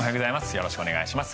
よろしくお願いします。